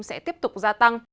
sẽ tiếp tục gia tăng